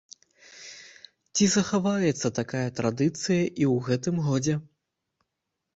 Ці захаваецца такая традыцыя і ў гэтым годзе?